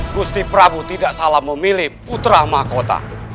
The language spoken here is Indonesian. gusti prabu tidak salah memilih putra mahkota